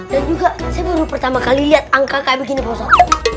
dan juga saya baru pertama kali lihat angka kayak begini bosat